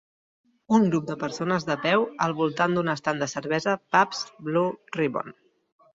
Un grup de persones de peu al voltant d'un estand de cervesa Pabst Blue Ribbon.